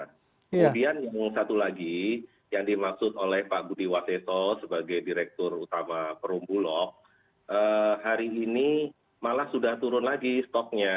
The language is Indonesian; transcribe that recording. kemudian yang satu lagi yang dimaksud oleh pak budi waseto sebagai direktur utama perumbulok hari ini malah sudah turun lagi stoknya